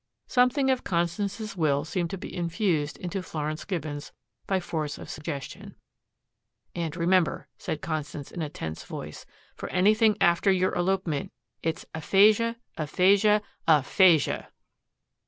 Something of Constance's will seemed to be infused into Florence Gibbons by force of suggestion. "And remember," Constance added in a tense voice, "for anything after your elopement it's aphasia, aphasia, APHASIA!"